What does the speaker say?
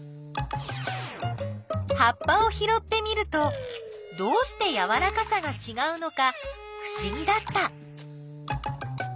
葉っぱをひろってみるとどうしてやわらかさがちがうのかふしぎだった。